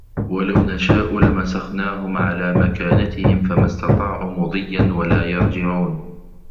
وَلَو نَشاءُ لَمَسَخناهُم عَلى مَكانَتِهِم فَمَا استَطاعوا مُضِيًّا وَلا يَرجِعونَ